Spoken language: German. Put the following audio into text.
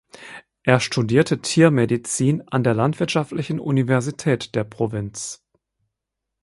Er studierte Tiermedizin an der Landwirtschaftlichen Universität der Provinz.